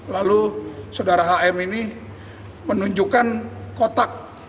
lalu saudara hm ini menunjukkan kotak